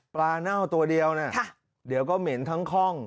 เน่าตัวเดียวนะเดี๋ยวก็เหม็นทั้งคล่อง